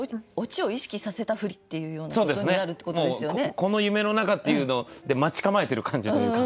この夢のなかっていうのを待ち構えてる感じというか。